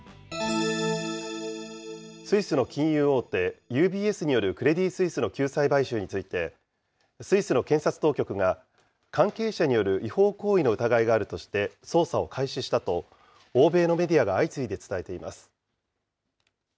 スイスの金融大手、ＵＢＳによるクレディ・スイスの救済買収について、スイスの検察当局が関係者による違法行為の疑いがあるとして、捜査を開始したと、欧米のメディアが相次いで伝えています。